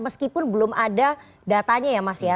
meskipun belum ada datanya ya mas ya